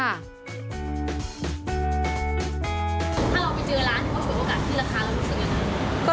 ถ้าเราไปเจอร้านเขาสวยโอกาสขึ้นราคาเรารู้สึกยังไง